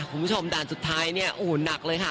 คุณผู้ชมด่านสุดท้ายเนี่ยโอ้โหหนักเลยค่ะ